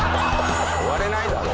終われないだろ。